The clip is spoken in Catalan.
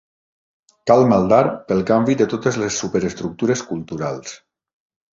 Cal maldar pel canvi de totes les superestructures culturals.